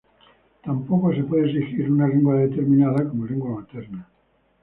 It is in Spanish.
Tampoco se puede exigir una lengua determinada como lengua materna.